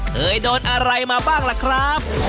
เคยโดนอะไรมาบ้างล่ะครับ